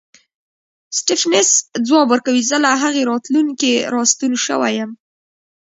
سټېفنس ځواب ورکوي زه له هغې راتلونکې راستون شوی یم